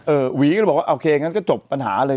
หวีก็เลยบอกว่าโอเคงั้นก็จบปัญหาเลย